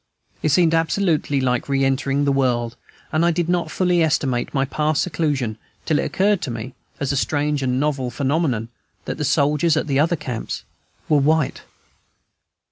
It seemed absolutely like re entering the world; and I did not fully estimate my past seclusion till it occurred to me, as a strange and novel phenomenon, that the soldiers at the other camps were white.